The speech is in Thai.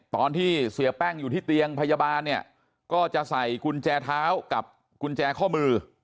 ตอนที่เสียแป้งอยู่ที่เตียงพยาบาลเนี่ยก็จะใส่กุญแจเท้ากับกุญแจข้อมือ